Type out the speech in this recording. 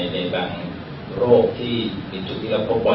ในบางโรคอย่างที่เป็นจุดที่เราพบบ่อย